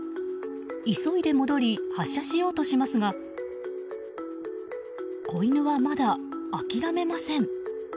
急いで戻り発車しようとしますが子犬はまだ諦めません。